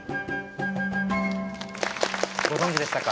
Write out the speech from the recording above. ご存じでしたか？